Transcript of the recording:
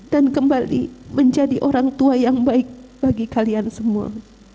dan kembali menjadi orang tua yang baik bagi kalian semua